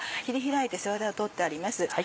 切り開いて背わたを取ってあります。